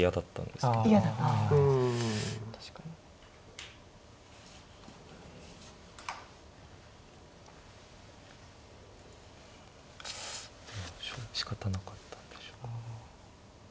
でもしかたなかったんでしょうか。